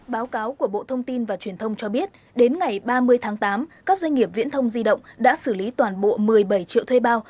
báo cáo của bộ thông tin và truyền thông cho biết đến ngày ba mươi tháng tám các doanh nghiệp viễn thông di động đã xử lý toàn bộ một mươi bảy triệu thuê bao